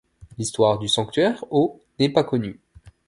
L'histoire du sanctuaire au n'est pas connue.